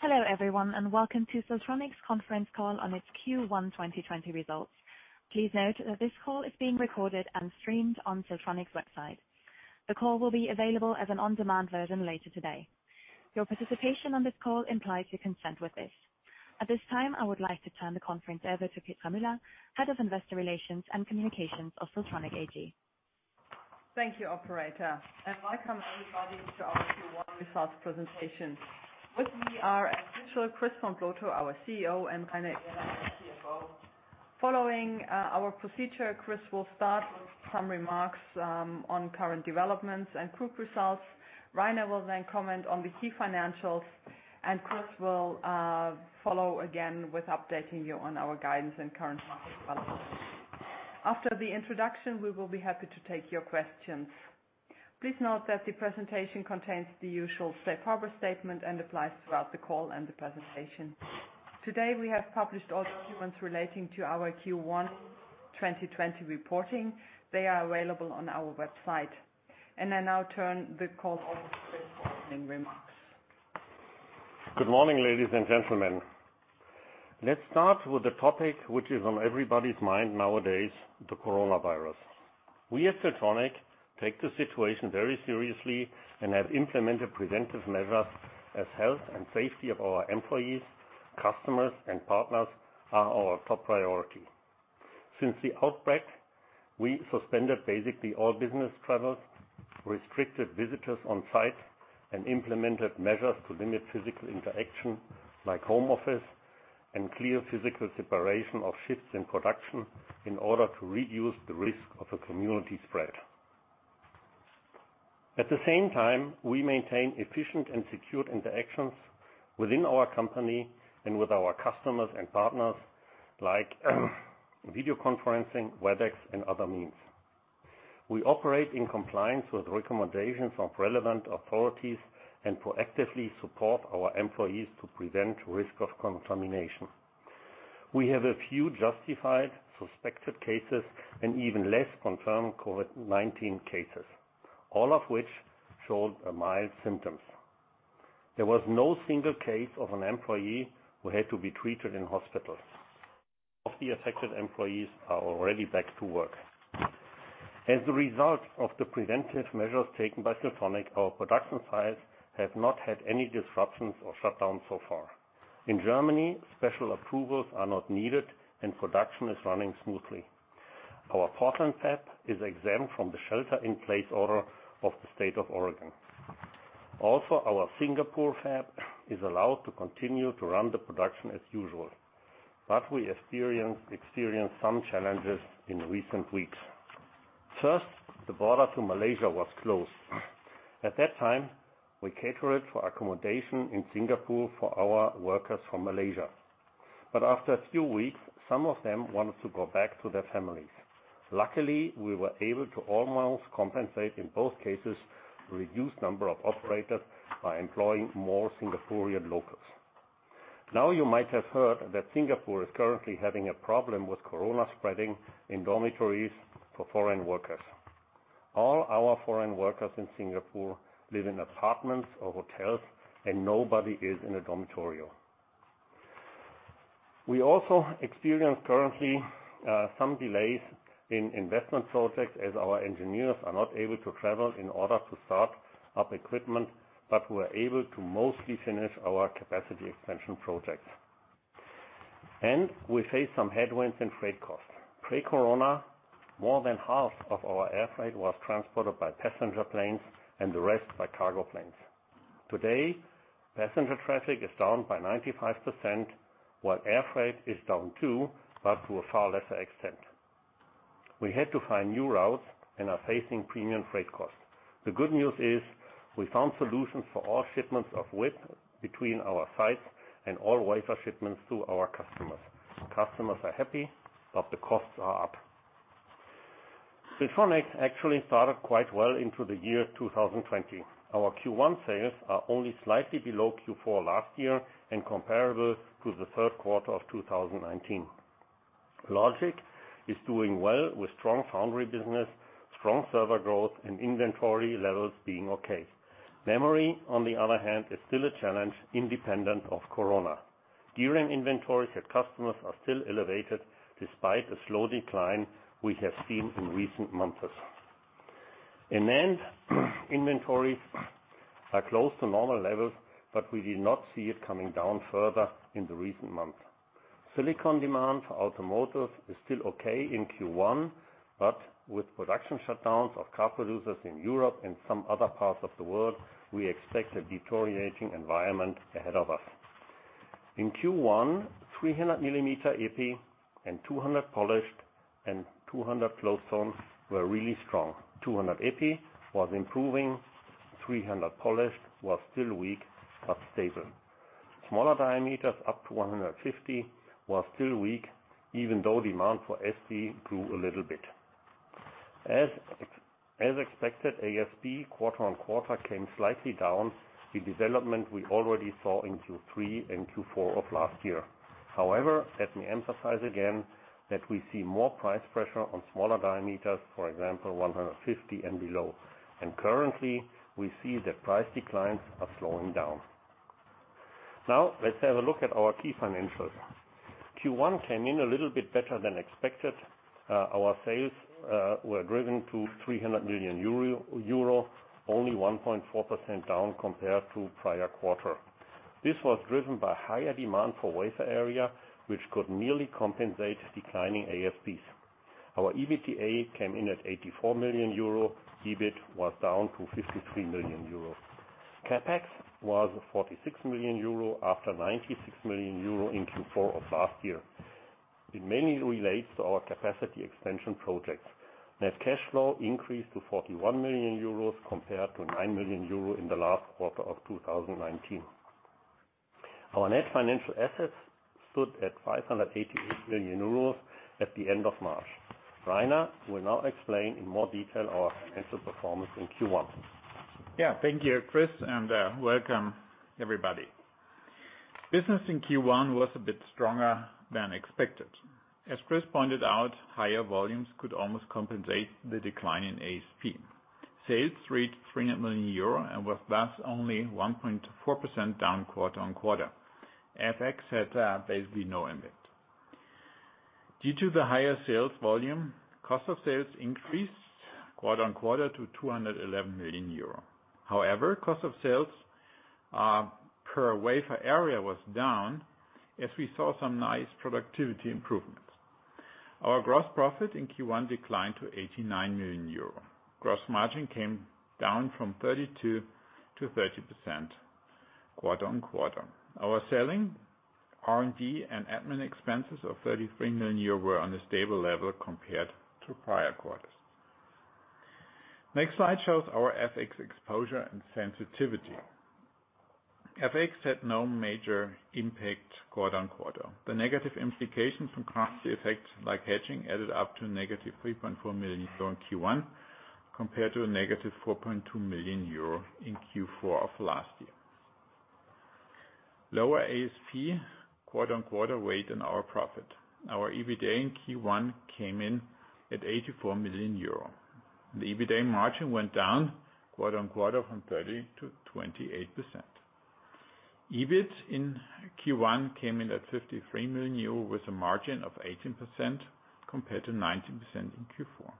Hello everyone and welcome to Siltronic's conference call on its Q1 2020 results. Please note that this call is being recorded and streamed on Siltronic's website. The call will be available as an on-demand version later today. Your participation on this call implies your consent with this. At this time, I would like to turn the conference over to Petra Müller, Head of Investor Relations and Communications of Siltronic AG. Thank you, Operator, and welcome everybody to our Q1 results presentation. With me are as usual Chris von Plotho, our CEO, and Rainer Irle, our CFO. Following our procedure, Chris will start with some remarks on current developments and quick results. Rainer will then comment on the key financials, and Chris will follow again with updating you on our guidance and current market developments. After the introduction, we will be happy to take your questions. Please note that the presentation contains the usual stakeholder statement and applies throughout the call and the presentation. Today, we have published all documents relating to our Q1 2020 reporting. They are available on our website, and I now turn the call over to Chris for opening remarks. Good morning, ladies and gentlemen. Let's start with the topic which is on everybody's mind nowadays: the coronavirus. We at Siltronic take the situation very seriously and have implemented preventive measures as health and safety of our employees, customers, and partners are our top priority. Since the outbreak, we suspended basically all business travel, restricted visitors on site, and implemented measures to limit physical interaction like home office and clear physical separation of shifts in production in order to reduce the risk of a community spread. At the same time, we maintain efficient and secure interactions within our company and with our customers and partners like video conferencing, WebEx, and other means. We operate in compliance with recommendations of relevant authorities and proactively support our employees to prevent risk of contamination. We have a few justified suspected cases and even less confirmed COVID-19 cases, all of which showed mild symptoms. There was no single case of an employee who had to be treated in hospital. All of the affected employees are already back to work. As a result of the preventive measures taken by Siltronic, our production sites have not had any disruptions or shutdowns so far. In Germany, special approvals are not needed, and production is running smoothly. Our Portland Fab is exempt from the shelter-in-place order of the state of Oregon. Also, our Singapore Fab is allowed to continue to run the production as usual, but we experienced some challenges in recent weeks. First, the border to Malaysia was closed. At that time, we catered for accommodation in Singapore for our workers from Malaysia. But after a few weeks, some of them wanted to go back to their families. Luckily, we were able to almost compensate in both cases a reduced number of operators by employing more Singaporean locals. Now, you might have heard that Singapore is currently having a problem with corona spreading in dormitories for foreign workers. All our foreign workers in Singapore live in apartments or hotels, and nobody is in a dormitory. We also experience currently some delays in investment projects as our engineers are not able to travel in order to start up equipment, but we are able to mostly finish our capacity expansion projects, and we face some headwinds in freight costs. Pre-corona, more than half of our air freight was transported by passenger planes and the rest by cargo planes. Today, passenger traffic is down by 95%, while air freight is down too, but to a far lesser extent. We had to find new routes and are facing premium freight costs. The good news is we found solutions for all shipments of WIP between our sites and all wafer shipments to our customers. Customers are happy, but the costs are up. Siltronic actually started quite well into the year 2020. Our Q1 sales are only slightly below Q4 last year and comparable to the third quarter of 2019. Logic is doing well with strong foundry business, strong server growth, and inventory levels being okay. Memory, on the other hand, is still a challenge independent of corona. DRAM inventories at customers are still elevated despite the slow decline we have seen in recent months. In the end, inventories are close to normal levels, but we did not see it coming down further in the recent months. Silicon demand for automotive is still okay in Q1, but with production shutdowns of car producers in Europe and some other parts of the world, we expect a deteriorating environment ahead of us. In Q1, 300 millimeter Epi and 200 polished and 200 Float Zone were really strong. 200 Epi was improving. 300 polished was still weak but stable. Smaller diameters up to 150 were still weak, even though demand for FZ grew a little bit. As expected, ASP quarter on quarter came slightly down in development we already saw in Q3 and Q4 of last year. However, let me emphasize again that we see more price pressure on smaller diameters, for example, 150 and below, and currently, we see that price declines are slowing down. Now, let's have a look at our key financials. Q1 came in a little bit better than expected. Our sales were driven to 300 million euro, only 1.4% down compared to prior quarter. This was driven by higher demand for wafer area, which could merely compensate declining ASPs. Our EBITDA came in at 84 million euro. EBIT was down to 53 million euro. CapEx was 46 million euro after 96 million euro in Q4 of last year. It mainly relates to our capacity expansion projects. Net cash flow increased to 41 million euros compared to 9 million euros in the last quarter of 2019. Our net financial assets stood at 588 million euros at the end of March. Rainer will now explain in more detail our financial performance in Q1. Yeah, thank you, Chris, and welcome everybody. Business in Q1 was a bit stronger than expected. As Chris pointed out, higher volumes could almost compensate the decline in ASP. Sales reached 300 million euro and was thus only 1.4% down quarter on quarter. FX had basically no impact. Due to the higher sales volume, cost of sales increased quarter on quarter to 211 million euro. However, cost of sales per wafer area was down as we saw some nice productivity improvements. Our gross profit in Q1 declined to 89 million euro. Gross margin came down from 32% to 30% quarter-on-quarter. Our selling, R&D, and admin expenses of 33 million euro were on a stable level compared to prior quarters. Next slide shows our FX exposure and sensitivity. FX had no major impact quarter on quarter. The negative implications from currency effects like hedging added up to negative 3.4 million euro in Q1 compared to negative 4.2 million euro in Q4 of last year. Lower ASP quarter on quarter weighed in our profit. Our EBITDA in Q1 came in at 84 million euro. The EBITDA margin went down quarter on quarter from 30% to 28%. EBIT in Q1 came in at 53 million euro with a margin of 18% compared to 19% in Q4.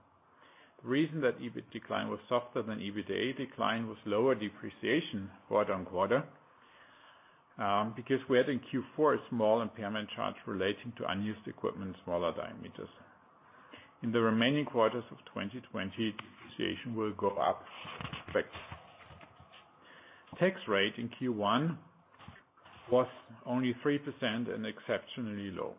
The reason that EBIT decline was softer than EBITDA decline was lower depreciation quarter on quarter because we had in Q4 a small impairment charge relating to unused equipment, smaller diameters. In the remaining quarters of 2020, depreciation will go up. Next. Tax rate in Q1 was only 3% and exceptionally low.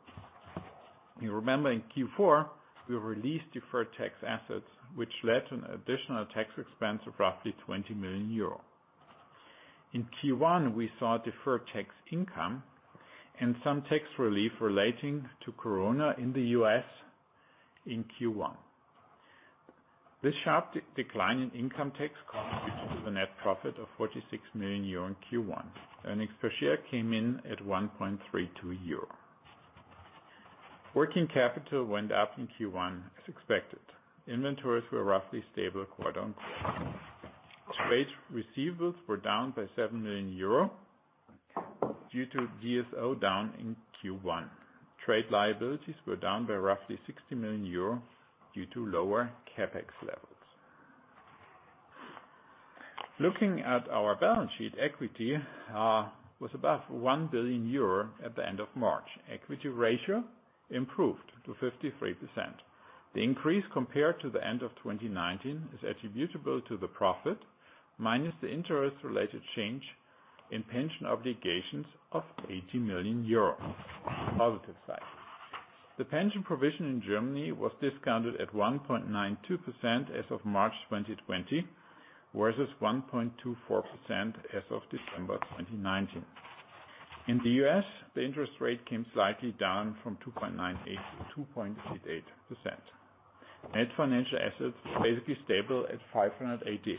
You remember in Q4, we released deferred tax assets, which led to an additional tax expense of roughly 20 million euro. In Q1, we saw deferred tax income and some tax relief relating to corona in the U.S. in Q1. This sharp decline in income tax contributed to the net profit of 46 million euro in Q1. Earnings per share came in at 1.32 euro. Working capital went up in Q1 as expected. Inventories were roughly stable quarter on quarter. Trade receivables were down by 7 million euro due to DSO down in Q1. Trade liabilities were down by roughly 60 million euro due to lower CapEx levels. Looking at our balance sheet, equity was above 1 billion euro at the end of March. Equity ratio improved to 53%. The increase compared to the end of 2019 is attributable to the profit minus the interest-related change in pension obligations of 80 million euro. Positive side. The pension provision in Germany was discounted at 1.92% as of March 2020 versus 1.24% as of December 2019. In the U.S., the interest rate came slightly down from 2.98% to 2.88%. Net financial assets basically stable at 588.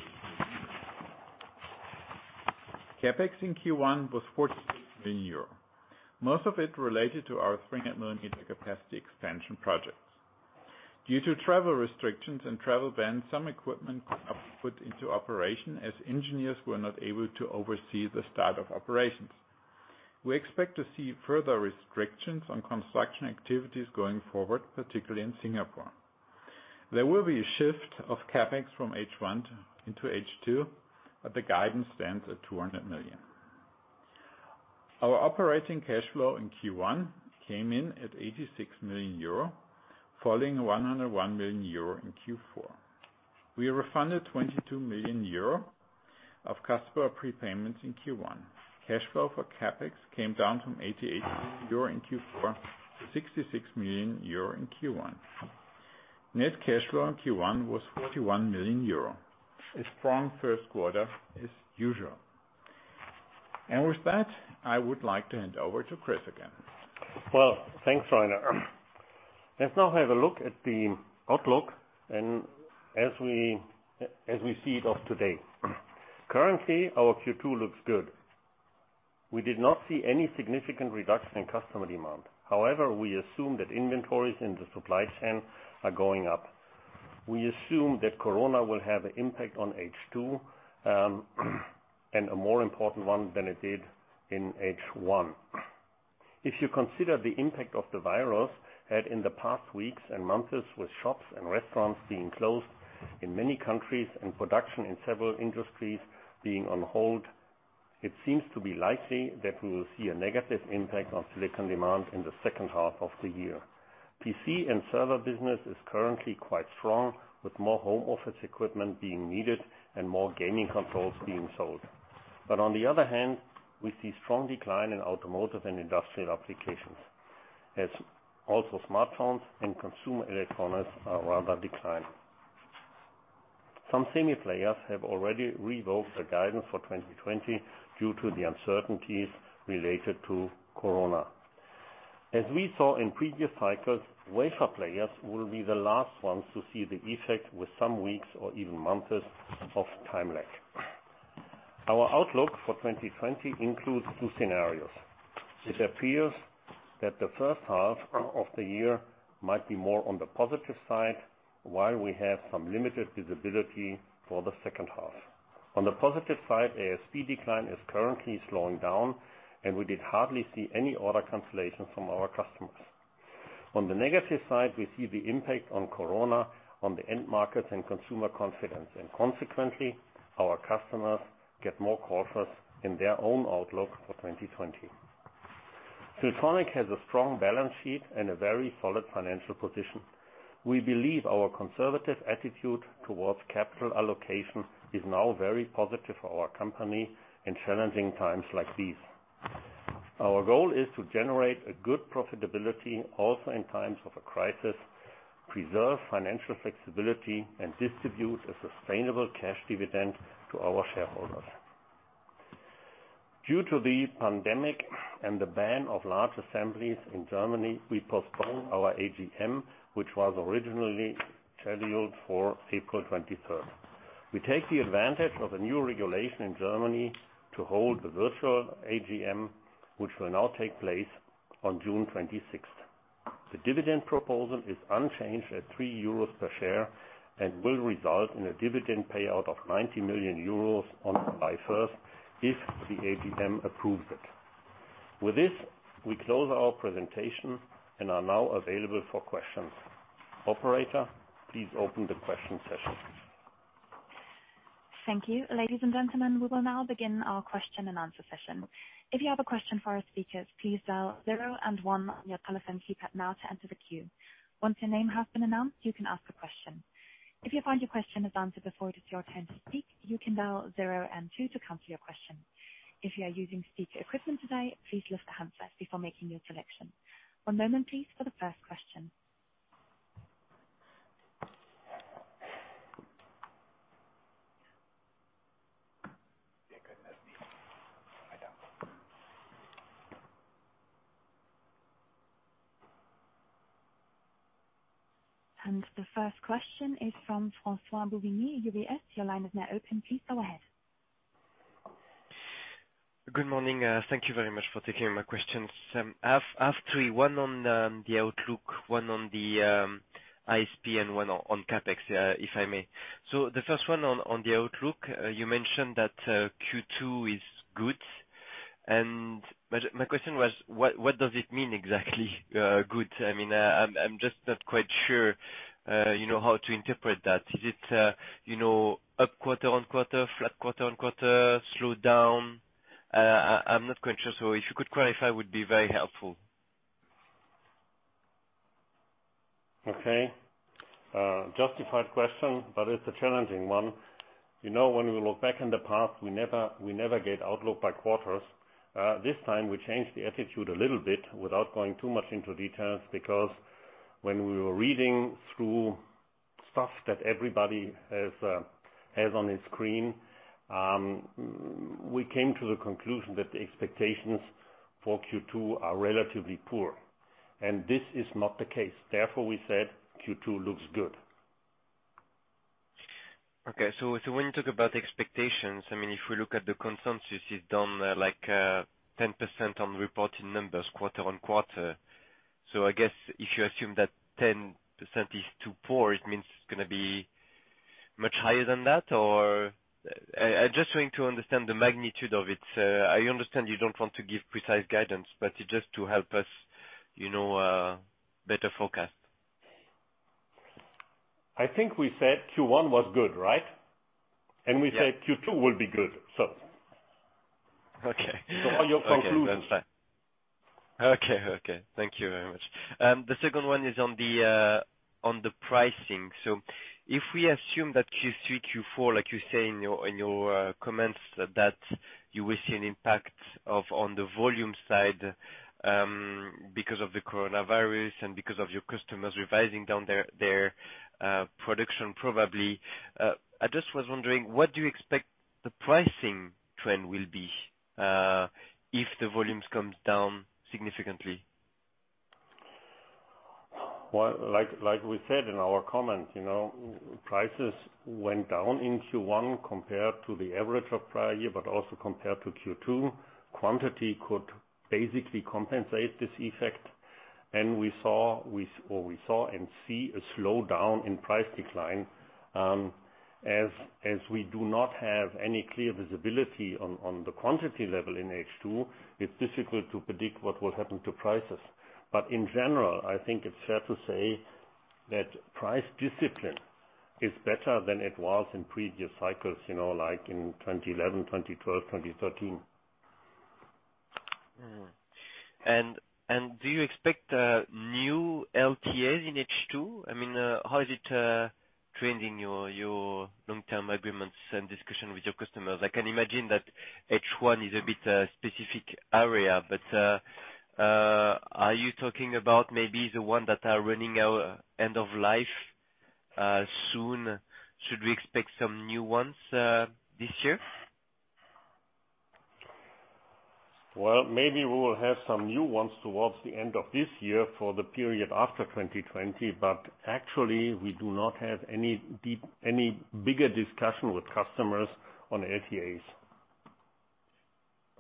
CapEx in Q1 was 46 million euro, most of it related to our 300 millimeter capacity expansion projects. Due to travel restrictions and travel bans, some equipment put into operation as engineers were not able to oversee the start of operations. We expect to see further restrictions on construction activities going forward, particularly in Singapore. There will be a shift of CapEx from H1 into H2, but the guidance stands at 200 million. Our operating cash flow in Q1 came in at 86 million euro, falling 101 million euro in Q4. We refunded 22 million euro of customer prepayments in Q1. Cash flow for CapEx came down from 88 million euro in Q4 to 66 million euro in Q1. Net cash flow in Q1 was 41 million euro. A strong first quarter as usual. And with that, I would like to hand over to Chris again. Thanks, Rainer. Let's now have a look at the outlook and as we see it of today. Currently, our Q2 looks good. We did not see any significant reduction in customer demand. However, we assume that inventories in the supply chain are going up. We assume that corona will have an impact on H2 and a more important one than it did in H1. If you consider the impact of the virus had in the past weeks and months with shops and restaurants being closed in many countries and production in several industries being on hold, it seems to be likely that we will see a negative impact on silicon demand in the second half of the year. PC and server business is currently quite strong with more home office equipment being needed and more gaming consoles being sold. But on the other hand, we see strong decline in automotive and industrial applications as also smartphones and consumer electronics are rather declining. Some semi players have already revoked their guidance for 2020 due to the uncertainties related to corona. As we saw in previous cycles, wafer players will be the last ones to see the effect with some weeks or even months of time lag. Our outlook for 2020 includes two scenarios. It appears that the first half of the year might be more on the positive side while we have some limited visibility for the second half. On the positive side, ASP decline is currently slowing down, and we did hardly see any order cancellations from our customers. On the negative side, we see the impact on corona on the end markets and consumer confidence, and consequently, our customers get more cautious in their own outlook for 2020. Siltronic has a strong balance sheet and a very solid financial position. We believe our conservative attitude towards capital allocation is now very positive for our company in challenging times like these. Our goal is to generate a good profitability also in times of a crisis, preserve financial flexibility, and distribute a sustainable cash dividend to our shareholders. Due to the pandemic and the ban of large assemblies in Germany, we postponed our AGM, which was originally scheduled for April 23rd. We take the advantage of a new regulation in Germany to hold the virtual AGM, which will now take place on June 26th. The dividend proposal is unchanged at 3 euros per share and will result in a dividend payout of 90 million euros on July 1st if the AGM approves it. With this, we close our presentation and are now available for questions. Operator, please open the question session. Thank you. Ladies and gentlemen, we will now begin our question and answer session. If you have a question for our speakers, please dial zero and one on your telephone keypad now to enter the queue. Once your name has been announced, you can ask a question. If you find your question is answered before it is your turn to speak, you can dial zero and two to cancel your question. If you are using speaker equipment today, please lift the handset first before making your selection. One moment, please, for the first question. And the first question is from François Bouvignies, UBS. Your line is now open. Please go ahead. Good morning. Thank you very much for taking my questions. I have three, one on the outlook, one on the ASP, and one on CapEx, if I may. So the first one on the outlook, you mentioned that Q2 is good. And my question was, what does it mean exactly, good? I mean, I'm just not quite sure how to interpret that. Is it up quarter on quarter, flat quarter on quarter, slowed down? I'm not quite sure. So if you could clarify, it would be very helpful. Okay. Justified question, but it's a challenging one. When we look back in the past, we never gave outlook by quarters. This time, we changed the attitude a little bit without going too much into details because when we were reading through stuff that everybody has on his screen, we came to the conclusion that the expectations for Q2 are relatively poor, and this is not the case. Therefore, we said Q2 looks good. Okay. So when you talk about expectations, I mean, if we look at the consensus, it's down like 10% on reported numbers quarter on quarter. So I guess if you assume that 10% is too poor, it means it's going to be much higher than that, or? I just want to understand the magnitude of it. I understand you don't want to give precise guidance, but it's just to help us better forecast. I think we said Q1 was good, right, and we said Q2 will be good, so. Okay. So what are your conclusions? Okay. Okay. Thank you very much. The second one is on the pricing. So if we assume that Q3, Q4, like you say in your comments, that you will see an impact on the volume side because of the coronavirus and because of your customers revising down their production probably, I just was wondering what do you expect the pricing trend will be if the volumes come down significantly? Like we said in our comments, prices went down in Q1 compared to the average of prior year, but also compared to Q2. Quantity could basically compensate this effect, and we saw and see a slowdown in price decline as we do not have any clear visibility on the quantity level in H2. It's difficult to predict what will happen to prices, but in general, I think it's fair to say that price discipline is better than it was in previous cycles like in 2011, 2012, 2013. And do you expect new LTAs in H2? I mean, how is it trending your long-term agreements and discussion with your customers? I can imagine that H1 is a bit a specific area, but are you talking about maybe the ones that are running out end of life soon? Should we expect some new ones this year? Maybe we will have some new ones towards the end of this year for the period after 2020, but actually, we do not have any bigger discussion with customers on LTAs.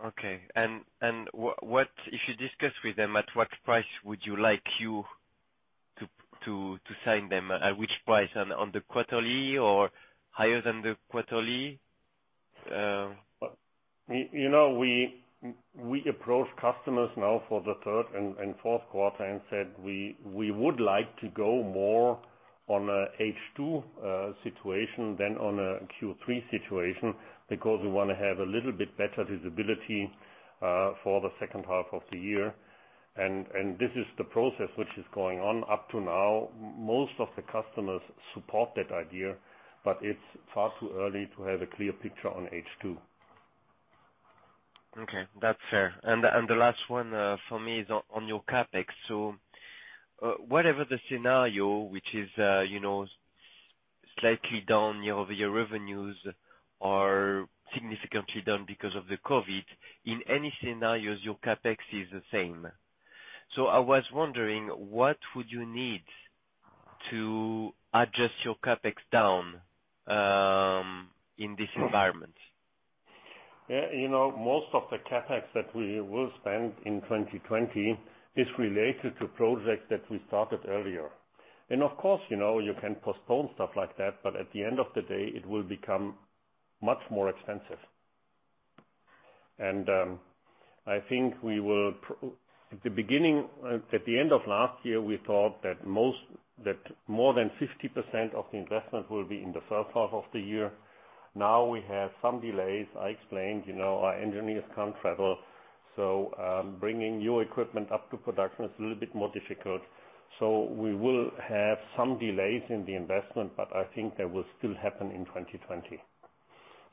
Okay. And if you discuss with them, at what price would you like you to sign them? At which price? On the quarterly or higher than the quarterly? We approached customers now for the third and fourth quarter and said we would like to go more on an H2 situation than on a Q3 situation because we want to have a little bit better visibility for the second half of the year. And this is the process which is going on up to now. Most of the customers support that idea, but it's far too early to have a clear picture on H2. Okay. That's fair. And the last one for me is on your CapEx. So whatever the scenario, which is slightly down over your revenues or significantly down because of the COVID, in any scenarios, your CapEx is the same. So I was wondering what would you need to adjust your CapEx down in this environment? Most of the CapEx that we will spend in 2020 is related to projects that we started earlier. And of course, you can postpone stuff like that, but at the end of the day, it will become much more expensive. And I think we will at the beginning, at the end of last year, we thought that more than 50% of the investment will be in the first half of the year. Now we have some delays. I explained our engineers can't travel, so bringing new equipment up to production is a little bit more difficult. So we will have some delays in the investment, but I think that will still happen in 2020.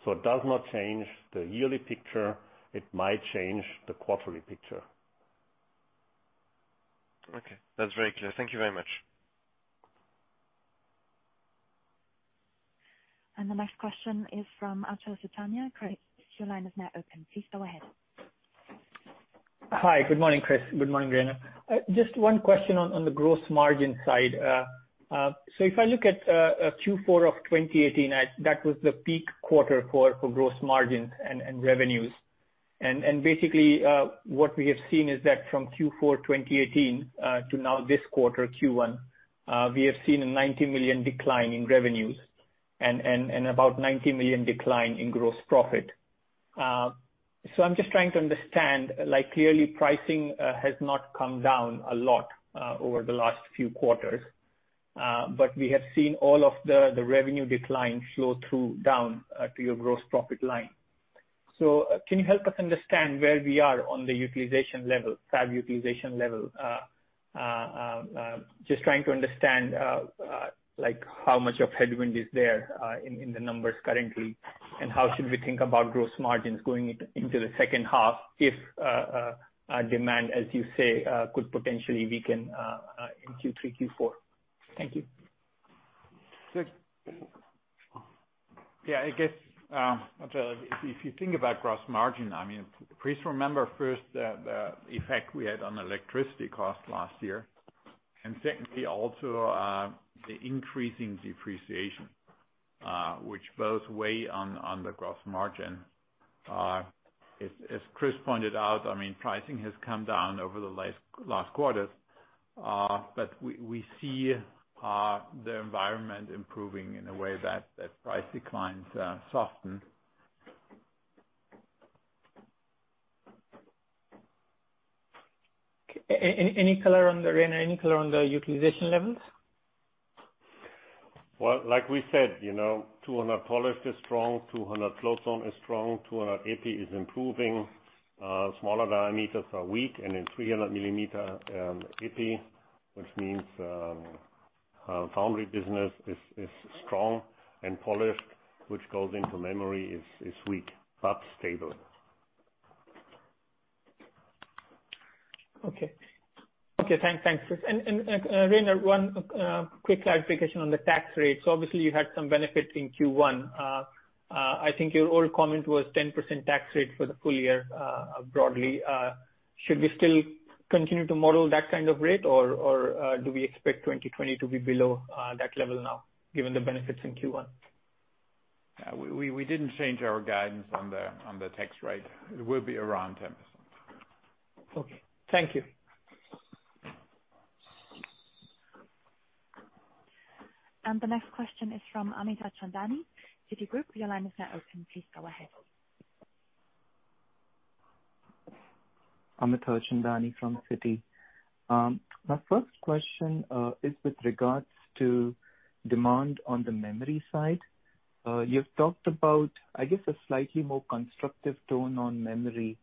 So it does not change the yearly picture. It might change the quarterly picture. Okay. That's very clear. Thank you very much. The next question is from Achal Sultania. Chris, your line is now open. Please go ahead. Hi. Good morning, Chris. Good morning, Rainer. Just one question on the gross margin side. So if I look at Q4 of 2018, that was the peak quarter for gross margins and revenues. And basically, what we have seen is that from Q4 2018 to now this quarter, Q1, we have seen a 90 million decline in revenues and about 90 million decline in gross profit. So I'm just trying to understand. Clearly, pricing has not come down a lot over the last few quarters, but we have seen all of the revenue decline flow down to your gross profit line. So can you help us understand where we are on the utilization level, fab utilization level? Just trying to understand how much of headwind is there in the numbers currently and how should we think about gross margins going into the second half if demand, as you say, could potentially weaken in Q3, Q4? Thank you. Yeah. I guess if you think about gross margin, I mean, please remember first the effect we had on electricity cost last year and secondly, also the increasing depreciation, which both weigh on the gross margin. As Chris pointed out, I mean, pricing has come down over the last quarters, but we see the environment improving in a way that price declines soften. Any color on the utilization levels? Like we said, 200 polished is strong, 200 Float Zone is strong, 200 epi is improving. Smaller diameters are weak, and in 300 millimeter epi, which means foundry business is strong and polished, which goes into memory, is weak but stable. Okay. Thanks, Chris and Rainer, one quick clarification on the tax rate, so obviously you had some benefit in Q1. I think your old comment was 10% tax rate for the full year broadly. Should we still continue to model that kind of rate, or do we expect 2020 to be below that level now given the benefits in Q1? We didn't change our guidance on the tax rate. It will be around 10%. Okay. Thank you. The next question is from Amit Harchandani, Citigroup. Your line is now open. Please go ahead. My first question is with regards to demand on the memory side. You've talked about, I guess, a slightly more constructive tone on memory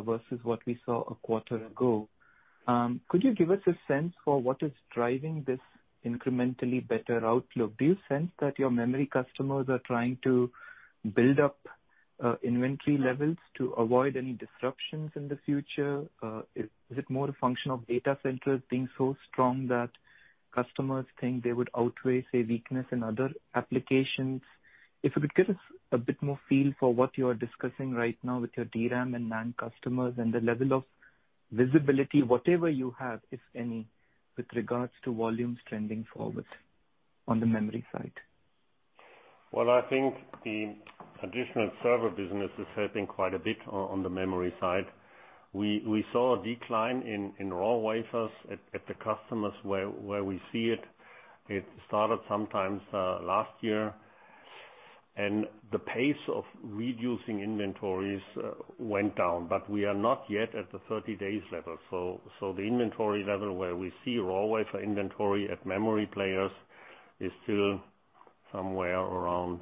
versus what we saw a quarter ago. Could you give us a sense for what is driving this incrementally better outlook? Do you sense that your memory customers are trying to build up inventory levels to avoid any disruptions in the future? Is it more a function of data centers being so strong that customers think they would outweigh, say, weakness in other applications? If you could give us a bit more feel for what you are discussing right now with your DRAM and NAND customers and the level of visibility, whatever you have, if any, with regards to volumes trending forward on the memory side. I think the additional server business is helping quite a bit on the memory side. We saw a decline in raw wafers at the customers where we see it. It started sometimes last year, and the pace of reducing inventories went down, but we are not yet at the 30-day level. The inventory level where we see raw wafer inventory at memory players is still somewhere around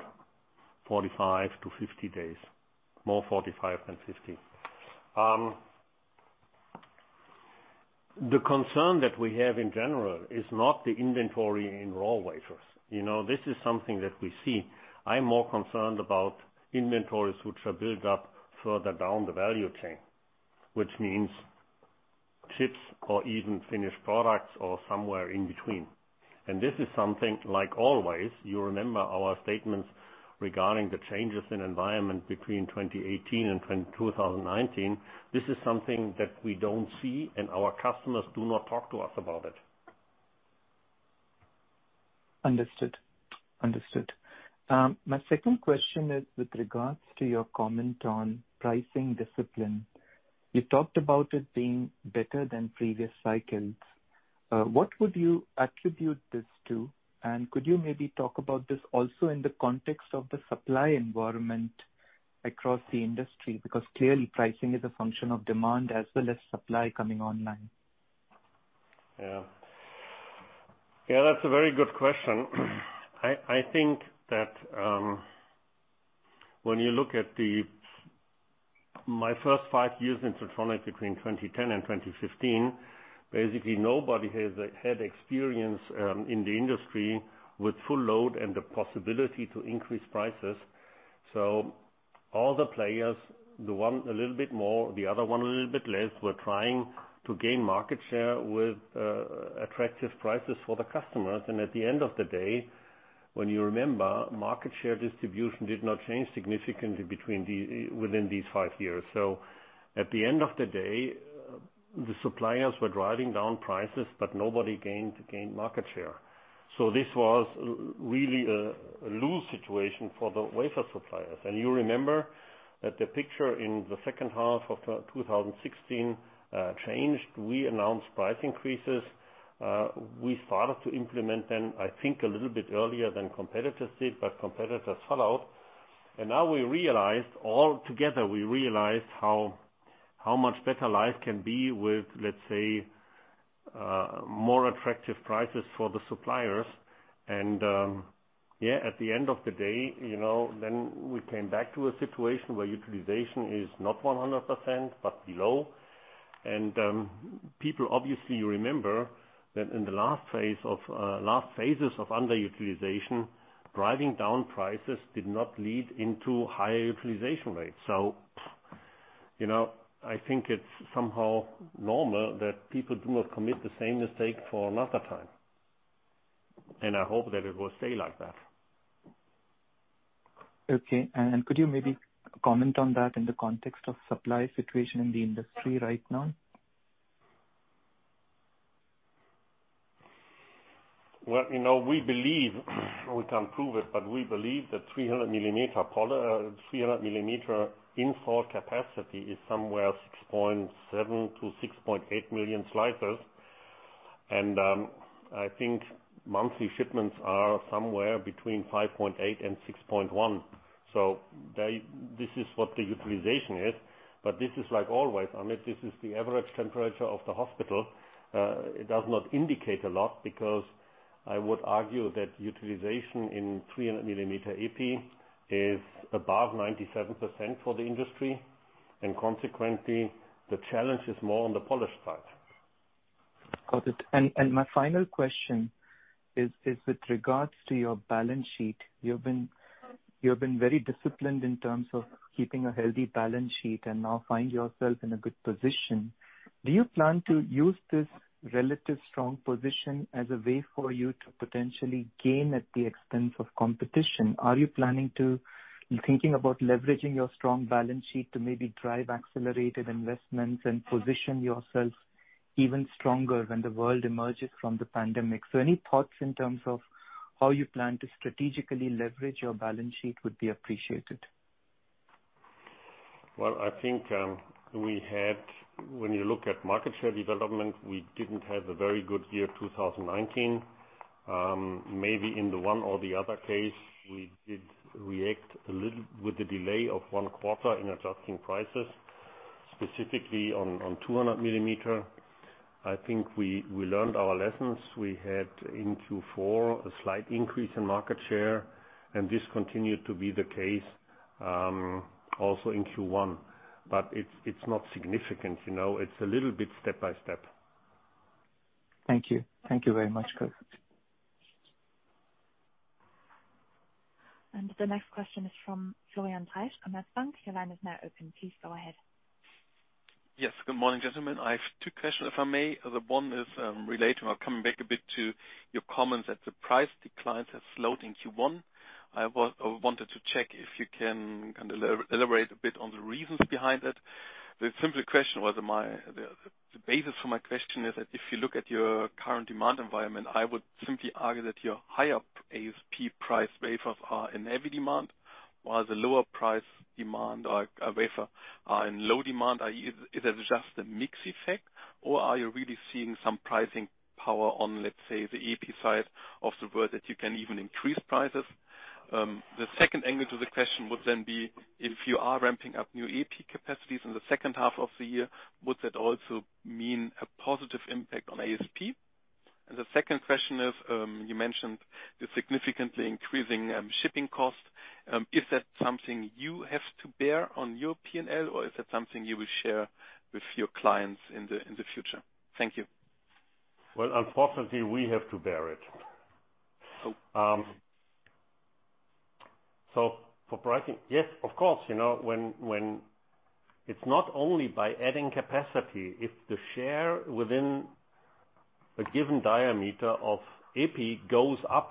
45 days-50 days, more 45 days than 50 days. The concern that we have in general is not the inventory in raw wafers. This is something that we see. I'm more concerned about inventories which are built up further down the value chain, which means chips or even finished products or somewhere in between, and this is something, like always, you remember our statements regarding the changes in environment between 2018 and 2019. This is something that we don't see, and our customers do not talk to us about it. Understood. Understood. My second question is with regards to your comment on pricing discipline. You talked about it being better than previous cycles. What would you attribute this to? And could you maybe talk about this also in the context of the supply environment across the industry? Because clearly, pricing is a function of demand as well as supply coming online. Yeah. Yeah, that's a very good question. I think that when you look at my first five years in Siltronic between 2010 and 2015, basically, nobody had experience in the industry with full load and the possibility to increase prices. So all the players, the one a little bit more, the other one a little bit less, were trying to gain market share with attractive prices for the customers. And at the end of the day, when you remember, market share distribution did not change significantly within these five years. So at the end of the day, the suppliers were driving down prices, but nobody gained market share. So this was really a lose-lose situation for the wafer suppliers. And you remember that the picture in the second half of 2016 changed. We announced price increases. We started to implement then, I think, a little bit earlier than competitors did, but competitors fell out, and now we realized, all together, we realized how much better life can be with, let's say, more attractive prices for the suppliers, and yeah, at the end of the day, then we came back to a situation where utilization is not 100% but below, and people, obviously, remember that in the last phases of underutilization, driving down prices did not lead into higher utilization rates, so I think it's somehow normal that people do not commit the same mistake for another time, and I hope that it will stay like that. Okay, and could you maybe comment on that in the context of supply situation in the industry right now? We believe we can prove it, but we believe that 300 millimeter industry capacity is somewhere 6.7-6.8 million wafers. I think monthly shipments are somewhere between 5.8 and 6.1. This is what the utilization is. This is like always, Amit. This is the average temperature of the hospital. It does not indicate a lot because I would argue that utilization in 300 millimeter epi is above 97% for the industry. Consequently, the challenge is more on the polished side. Got it. And my final question is with regards to your balance sheet. You've been very disciplined in terms of keeping a healthy balance sheet and now find yourself in a good position. Do you plan to use this relative strong position as a way for you to potentially gain at the expense of competition? Are you planning to be thinking about leveraging your strong balance sheet to maybe drive accelerated investments and position yourself even stronger when the world emerges from the pandemic? So any thoughts in terms of how you plan to strategically leverage your balance sheet would be appreciated. I think when you look at market share development, we didn't have a very good year 2019. Maybe in the one or the other case, we did react a little with the delay of one quarter in adjusting prices, specifically on 200 millimeter. I think we learned our lessons. We had in Q4 a slight increase in market share, and this continued to be the case also in Q1. But it's not significant. It's a little bit step by step. Thank you. Thank you very much, Chris. The next question is from Florian Treisch, Commerzbank. Your line is now open. Please go ahead. Yes. Good morning, gentlemen. I have two questions, if I may. The one is related to coming back a bit to your comments that the price declines have slowed in Q1. I wanted to check if you can kind of elaborate a bit on the reasons behind it. The simple question was, the basis for my question is that if you look at your current demand environment, I would simply argue that your higher ASP price wafers are in heavy demand, while the lower price demand wafers are in low demand. Is it just a mixed effect, or are you really seeing some pricing power on, let's say, the Epi side of the world that you can even increase prices? The second angle to the question would then be, if you are ramping up new epi capacities in the second half of the year, would that also mean a positive impact on ASP? And the second question is, you mentioned the significantly increasing shipping cost. Is that something you have to bear on your P&L, or is that something you will share with your clients in the future? Thank you. Unfortunately, we have to bear it. For pricing, yes, of course. It's not only by adding capacity. If the share within a given diameter of AP goes up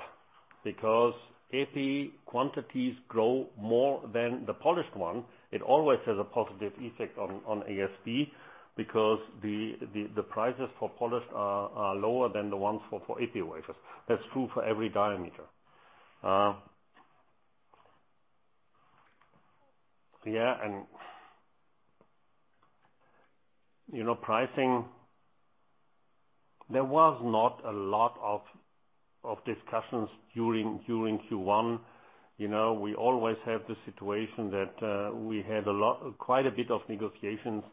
because AP quantities grow more than the polished one, it always has a positive effect on ASP because the prices for polished are lower than the ones for AP wafers. That's true for every diameter. Yeah. Pricing, there was not a lot of discussions during Q1. We always have the situation that we had quite a bit of negotiations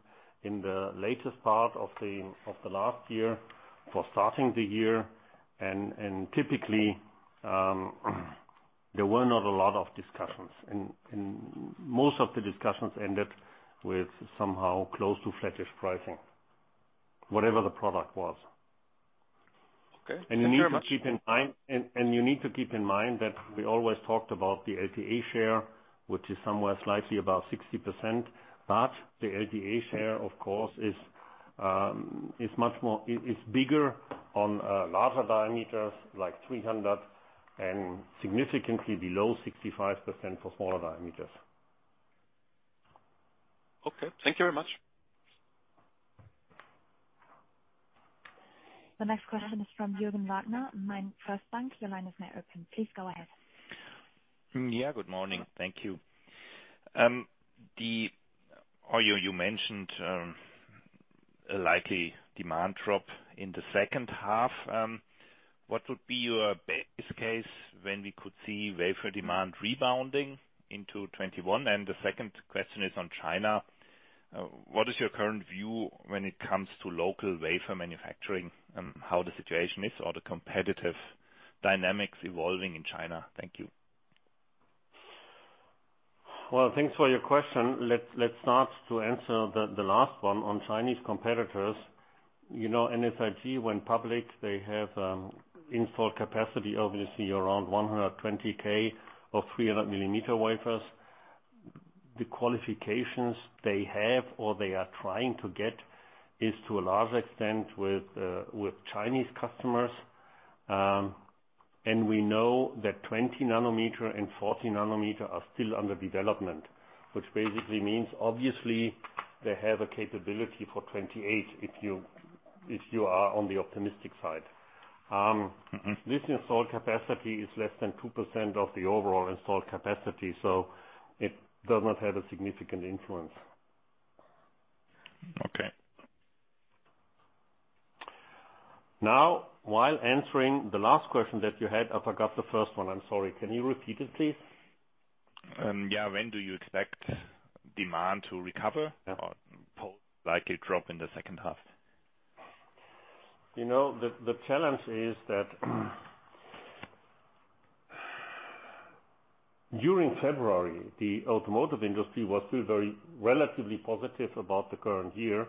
in the latest part of the last year for starting the year. Typically, there were not a lot of discussions. Most of the discussions ended with somehow close to flattish pricing, whatever the product was. You need to keep in mind that we always talked about the LTA share, which is somewhere slightly above 60%. But the LTA share, of course, is much more bigger on larger diameters like 300 millimeter wafers and significantly below 65% for smaller diameters. Okay. Thank you very much. The next question is from Jürgen Wagner, MainFirst Bank. Your line is now open. Please go ahead. Yeah. Good morning. Thank you. You mentioned a likely demand drop in the second half. What would be your base case when we could see wafer demand rebounding into 2021? And the second question is on China. What is your current view when it comes to local wafer manufacturing and how the situation is or the competitive dynamics evolving in China? Thank you. Thanks for your question. Let's start to answer the last one on Chinese competitors. NSIG, when public, they have installed capacity of, let's see, around 120K of 300 millimeter wafers. The qualifications they have or they are trying to get is to a large extent with Chinese customers. And we know that 20 nanometer and 40 nanometer are still under development, which basically means, obviously, they have a capability for 28 if you are on the optimistic side. This installed capacity is less than 2% of the overall installed capacity, so it does not have a significant influence. Okay. Now, while answering the last question that you had, I forgot the first one. I'm sorry. Can you repeat it, please? Yeah. When do you expect demand to recover or likely drop in the second half? The challenge is that during February, the automotive industry was still relatively positive about the current year.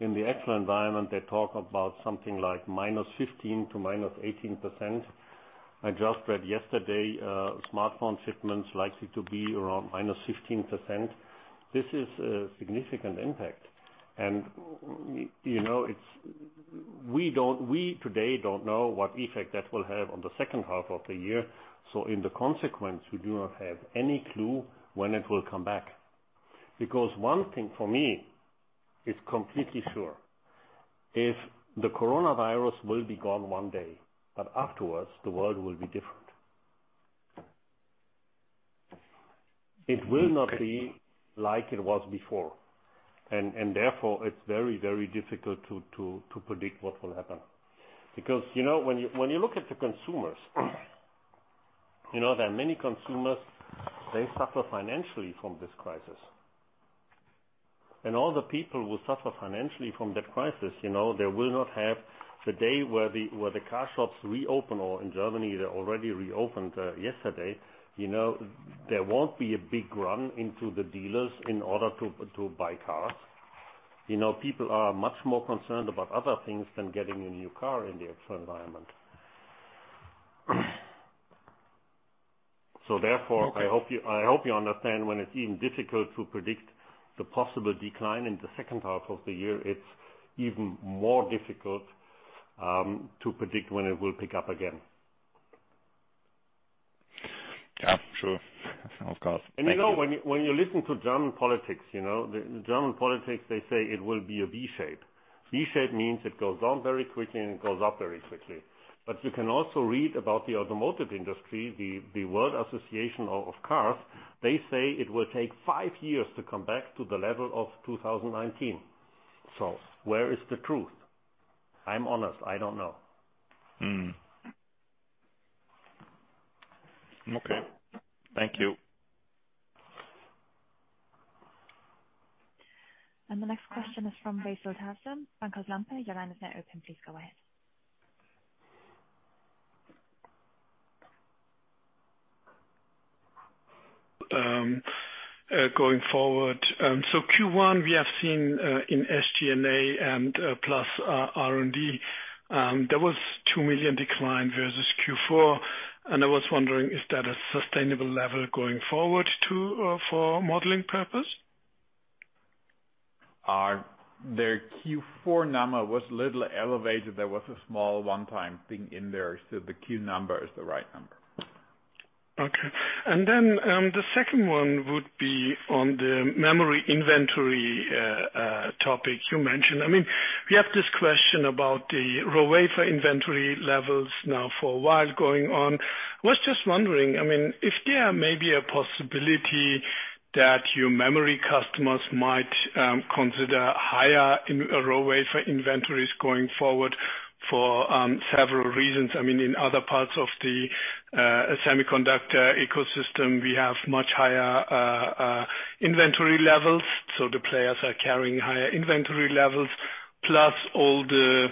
In the actual environment, they talk about something like -15% to -18%. I just read yesterday smartphone shipments likely to be around -15%. This is a significant impact. And we today don't know what effect that will have on the second half of the year. So in the consequence, we do not have any clue when it will come back. Because one thing for me is completely sure. The coronavirus will be gone one day, but afterwards, the world will be different. It will not be like it was before. And therefore, it's very, very difficult to predict what will happen. Because when you look at the consumers, there are many consumers, they suffer financially from this crisis. All the people who suffer financially from that crisis, there will not have the day where the car shops reopen, or in Germany, they already reopened yesterday, there won't be a big run into the dealers in order to buy cars. People are much more concerned about other things than getting a new car in the actual environment. Therefore, I hope you understand when it's even difficult to predict the possible decline in the second half of the year, it's even more difficult to predict when it will pick up again. Yeah. Sure. Of course. When you listen to German politics, they say it will be a V-shape. V-shape means it goes down very quickly and it goes up very quickly. You can also read about the automotive industry, the World Association of Cars. They say it will take five years to come back to the level of 2019. Where is the truth? I'm honest. I don't know. Okay. Thank you. And the next question is from Veysel Taze, Bankhaus Lampe. Your line is now open. Please go ahead. Going forward. So in Q1, we have seen in SG&A plus R&D, there was 2 million decline versus Q4. And I was wondering, is that a sustainable level going forward for modeling purpose? The Q4 number was a little elevated. There was a small one-time thing in there. So the Q number is the right number. Okay. And then the second one would be on the memory inventory topic you mentioned. I mean, we have this question about the raw wafer inventory levels now for a while going on. I was just wondering, I mean, if there may be a possibility that your memory customers might consider higher raw wafer inventories going forward for several reasons. I mean, in other parts of the semiconductor ecosystem, we have much higher inventory levels. So the players are carrying higher inventory levels, plus all the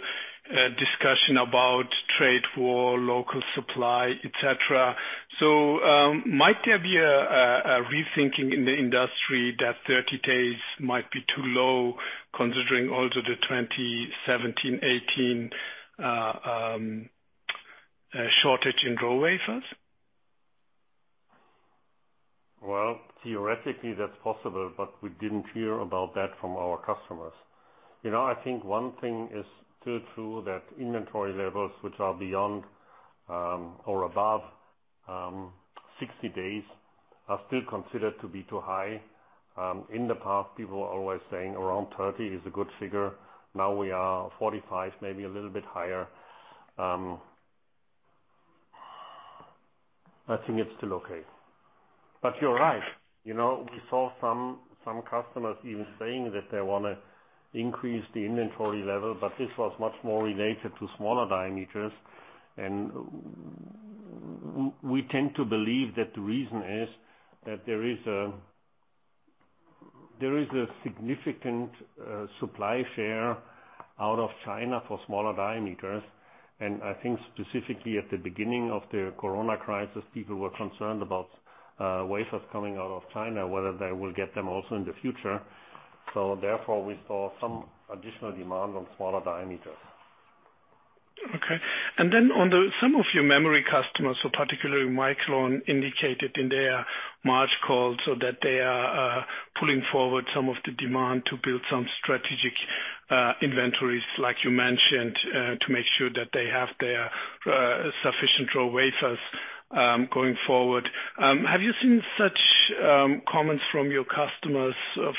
discussion about trade war, local supply, etc. So might there be a rethinking in the industry that 30 days might be too low considering also the 2017, 2018 shortage in raw wafers? Theoretically, that's possible, but we didn't hear about that from our customers. I think one thing is still true that inventory levels which are beyond or above 60 days are still considered to be too high. In the past, people were always saying around 30 is a good figure. Now we are 45, maybe a little bit higher. I think it's still okay. But you're right. We saw some customers even saying that they want to increase the inventory level, but this was much more related to smaller diameters. And we tend to believe that the reason is that there is a significant supply share out of China for smaller diameters. And I think specifically at the beginning of the corona crisis, people were concerned about wafers coming out of China, whether they will get them also in the future. So therefore, we saw some additional demand on smaller diameters. Okay. And then on some of your memory customers, so particularly Micron, indicated in their March call that they are pulling forward some of the demand to build some strategic inventories, like you mentioned, to make sure that they have their sufficient raw wafers going forward. Have you seen such comments from your customers,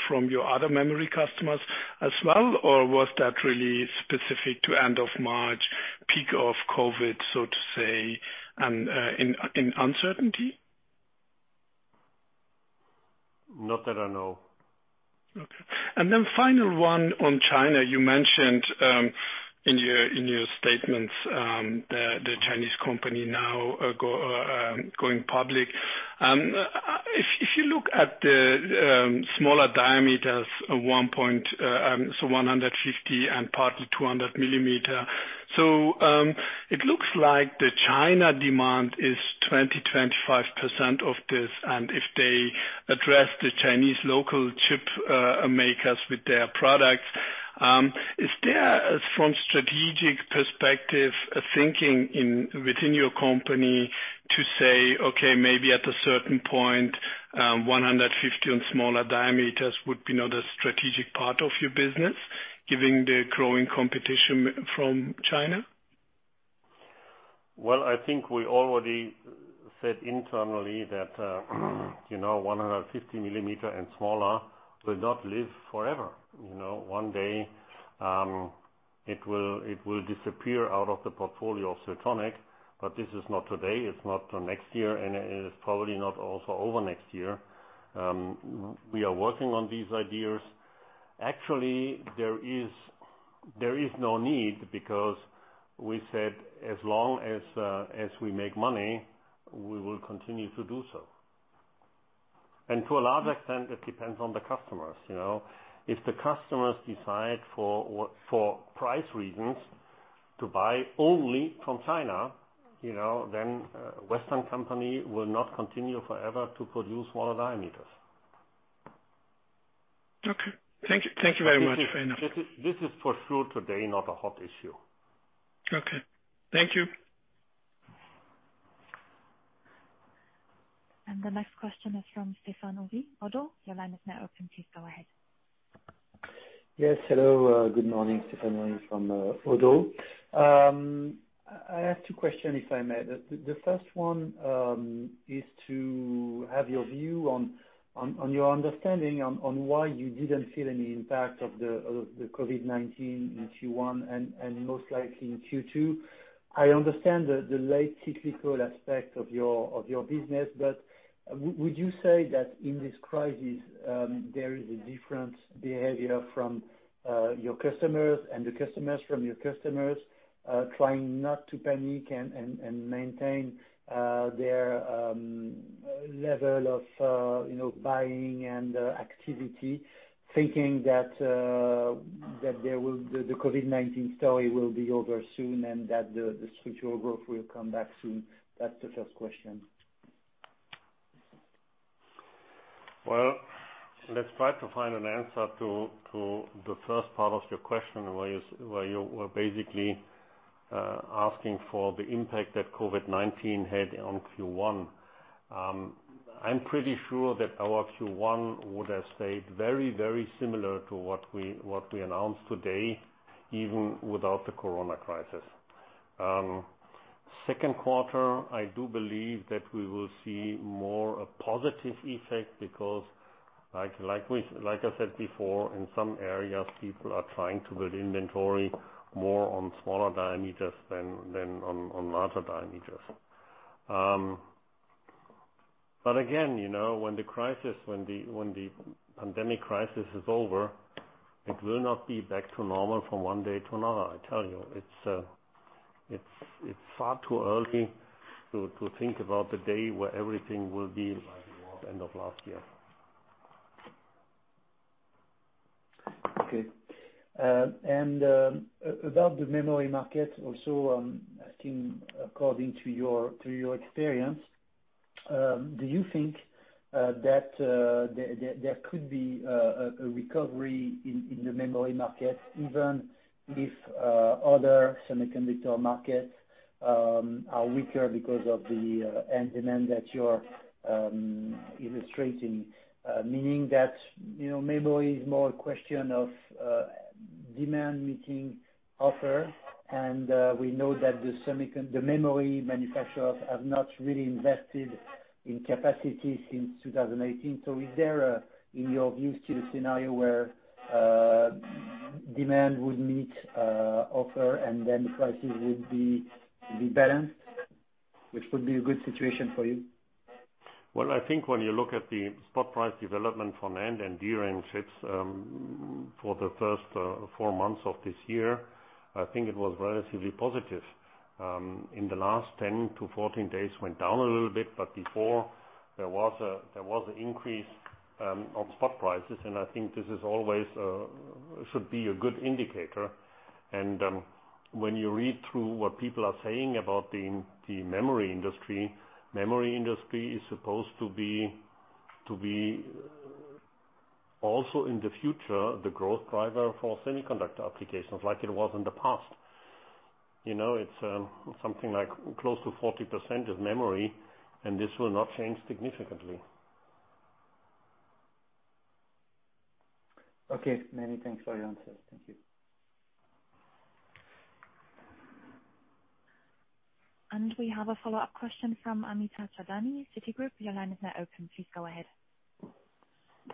from your other memory customers as well, or was that really specific to end of March, peak of COVID, so to say, and in uncertainty? Not that I know. Okay. And then final one on China. You mentioned in your statements the Chinese company now going public. If you look at the smaller diameters, so 150 millimeter and partly 200 millimeter, so it looks like the China demand is 20%-25% of this. And if they address the Chinese local chip makers with their products, is there from strategic perspective a thinking within your company to say, "Okay, maybe at a certain point, 150 millimeter and smaller diameters would be not a strategic part of your business," given the growing competition from China? I think we already said internally that 150 millimeter and smaller will not live forever. One day, it will disappear out of the portfolio of Siltronic, but this is not today. It's not next year, and it is probably not also over next year. We are working on these ideas. Actually, there is no need because we said as long as we make money, we will continue to do so. To a large extent, it depends on the customers. If the customers decide for price reasons to buy only from China, then Western company will not continue forever to produce smaller diameters. Okay. Thank you very much, Veysel. This is for sure today not a hot issue. Okay. Thank you. The next question is from Stéphane Houri, ODDO. Your line is now open. Please go ahead. Yes. Hello. Good morning, Stéphane Houri from ODDO. I have two questions, if I may. The first one is to have your view on your understanding on why you didn't feel any impact of the COVID-19 in Q1 and most likely in Q2. I understand the late cyclical aspect of your business, but would you say that in this crisis, there is a different behavior from your customers and the customers from your customers trying not to panic and maintain their level of buying and activity, thinking that the COVID-19 story will be over soon and that the structural growth will come back soon? That's the first question. Let's try to find an answer to the first part of your question where you were basically asking for the impact that COVID-19 had on Q1. I'm pretty sure that our Q1 would have stayed very, very similar to what we announced today, even without the corona crisis. Second quarter, I do believe that we will see more a positive effect because, like I said before, in some areas, people are trying to build inventory more on smaller diameters than on larger diameters. But again, when the crisis, when the pandemic crisis is over, it will not be back to normal from one day to another. I tell you, it's far too early to think about the day where everything will be like it was end of last year. Okay. And about the memory market, also asking, according to your experience, do you think that there could be a recovery in the memory market, even if other semiconductor markets are weaker because of the end demand that you're illustrating, meaning that memory is more a question of demand meeting supply? And we know that the memory manufacturers have not really invested in capacity since 2018. So is there, in your view, still a scenario where demand would meet supply and then the prices would be balanced, which would be a good situation for you? I think when you look at the spot price development for NAND and DRAM chips for the first four months of this year, I think it was relatively positive. In the last 10-14 days, it went down a little bit, but before, there was an increase on spot prices, and I think this always should be a good indicator, and when you read through what people are saying about the memory industry, memory industry is supposed to be also in the future the growth driver for semiconductor applications like it was in the past. It's something like close to 40% is memory, and this will not change significantly. Okay. Many thanks for your answers. Thank you. We have a follow-up question from Amit Harchandani, Citigroup. Your line is now open. Please go ahead.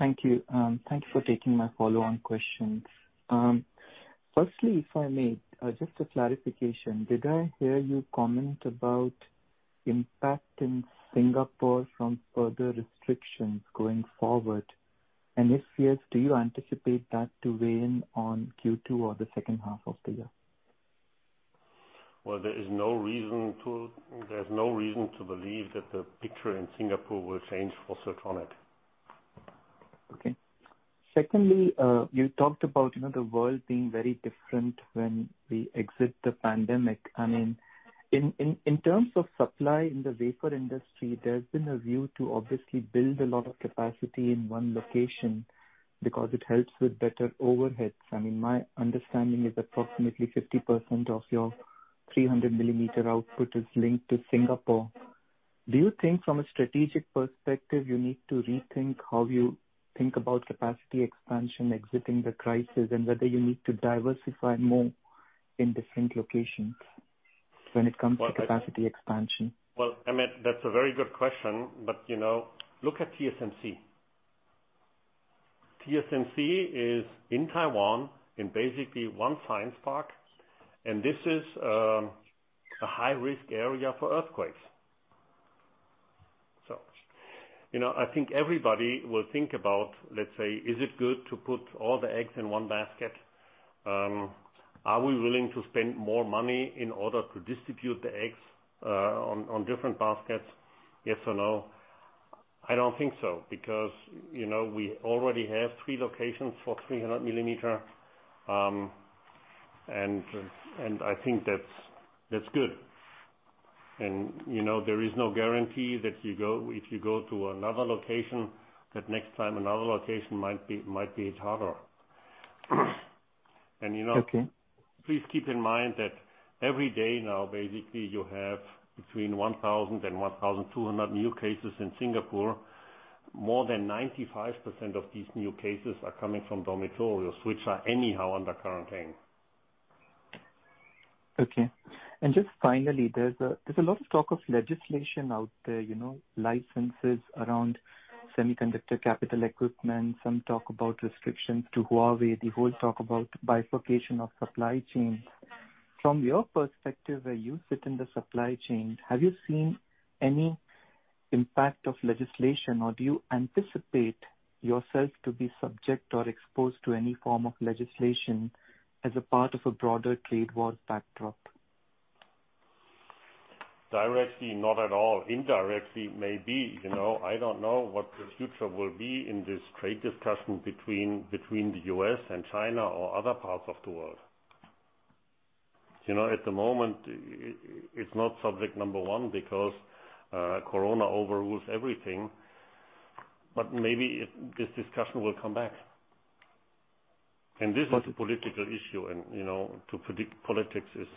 Thank you. Thank you for taking my follow-on questions. Firstly, if I may, just a clarification. Did I hear you comment about impact in Singapore from further restrictions going forward? And if yes, do you anticipate that to weigh in on Q2 or the second half of the year? There is no reason to believe that the picture in Singapore will change for Siltronic. Okay. Secondly, you talked about the world being very different when we exit the pandemic. I mean, in terms of supply in the wafer industry, there's been a view to obviously build a lot of capacity in one location because it helps with better overheads. I mean, my understanding is approximately 50% of your 300 millimeter output is linked to Singapore. Do you think from a strategic perspective, you need to rethink how you think about capacity expansion exiting the crisis and whether you need to diversify more in different locations when it comes to capacity expansion? I mean, that's a very good question, but look at TSMC. TSMC is in Taiwan in basically one science park, and this is a high-risk area for earthquakes. So I think everybody will think about, let's say, is it good to put all the eggs in one basket? Are we willing to spend more money in order to distribute the eggs on different baskets? Yes or no? I don't think so because we already have three locations for 300 millimeter, and I think that's good. And there is no guarantee that if you go to another location, that next time another location might be harder. And please keep in mind that every day now, basically, you have between 1,000 and 1,200 new cases in Singapore. More than 95% of these new cases are coming from dormitories, which are anyhow under quarantine. Okay. And just finally, there's a lot of talk of legislation out there, licenses around semiconductor capital equipment. Some talk about restrictions to Huawei. They both talk about bifurcation of supply chains. From your perspective, where you sit in the supply chain, have you seen any impact of legislation, or do you anticipate yourself to be subject or exposed to any form of legislation as a part of a broader trade war backdrop? Directly, not at all. Indirectly, maybe. I don't know what the future will be in this trade discussion between the U.S. and China or other parts of the world. At the moment, it's not subject number one because corona overrules everything, but maybe this discussion will come back. And this is a political issue, and to predict politics is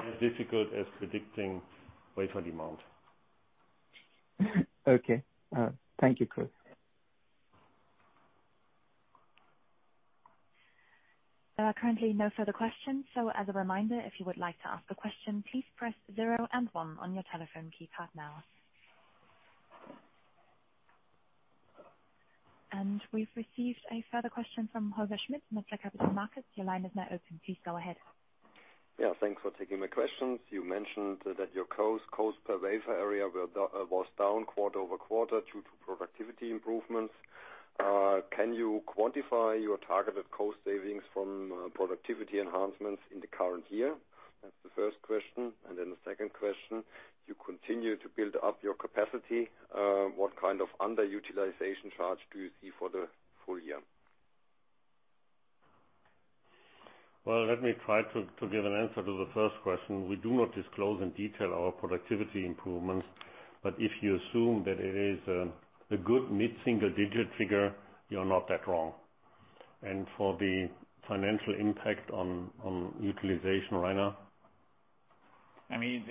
as difficult as predicting wafer demand. Okay. Thank you, Chris. There are currently no further questions, so as a reminder, if you would like to ask a question, please press zero and one on your telephone keypad now, and we've received a further question from Holger Schmidt from Metzler Capital Markets. Your line is now open. Please go ahead. Yeah. Thanks for taking my questions. You mentioned that your cost per wafer area was down quarter over quarter due to productivity improvements. Can you quantify your targeted cost savings from productivity enhancements in the current year? That's the first question. And then the second question, you continue to build up your capacity. What kind of underutilization charge do you see for the full year? Let me try to give an answer to the first question. We do not disclose in detail our productivity improvements, but if you assume that it is a good mid-single-digit figure, you're not that wrong. For the financial impact on utilization right now? I mean,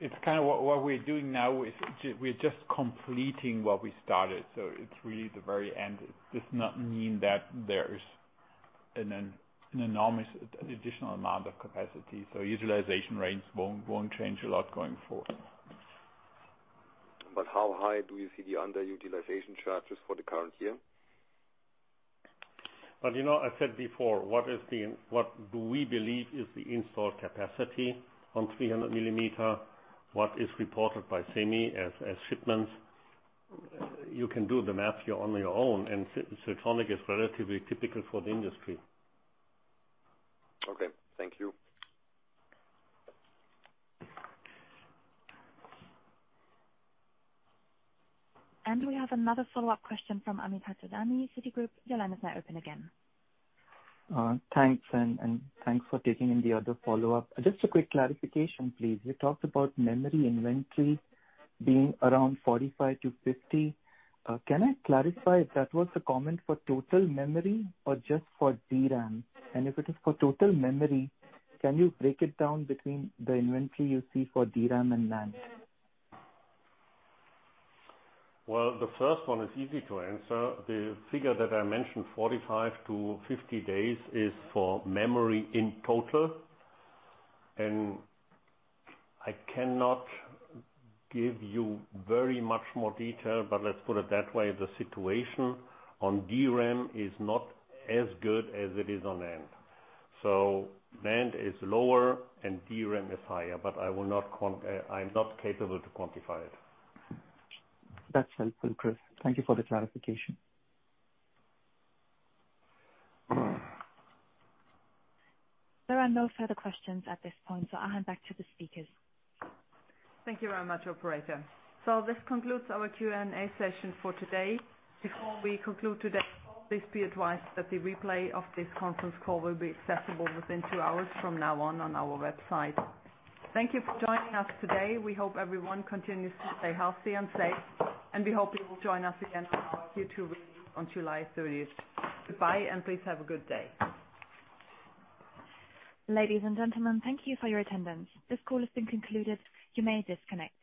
it's kind of what we're doing now. We're just completing what we started. So it's really the very end. It does not mean that there's an enormous additional amount of capacity. So utilization rates won't change a lot going forward. But how high do you see the underutilization charges for the current year? I said before, what do we believe is the installed capacity on 300 millimeter, what is reported by SEMI as shipments? You can do the math on your own, and Siltronic is relatively typical for the industry. Okay. Thank you. We have another follow-up question from Amit Harchandani, City Group. Your line is now open again. Thanks, and thanks for taking in the other follow-up. Just a quick clarification, please. You talked about memory inventory being around 45 days-50 days. Can I clarify if that was a comment for total memory or just for DRAM? And if it is for total memory, can you break it down between the inventory you see for DRAM and NAND? The first one is easy to answer. The figure that I mentioned, 45 days-50 days, is for memory in total. And I cannot give you very much more detail, but let's put it that way. The situation on DRAM is not as good as it is on NAND. So NAND is lower and DRAM is higher, but I'm not capable to quantify it. That's helpful, Chris. Thank you for the clarification. There are no further questions at this point, so I'll hand back to the speakers. Thank you very much, Operator. So this concludes our Q&A session for today. Before we conclude today, please be advised that the replay of this conference call will be accessible within two hours from now on our website. Thank you for joining us today. We hope everyone continues to stay healthy and safe, and we hope you will join us again on our Q2 release on July 30th. Goodbye, and please have a good day. Ladies and gentlemen, thank you for your attendance. This call has been concluded. You may disconnect.